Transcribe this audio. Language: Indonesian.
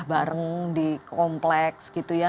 bareng di kompleks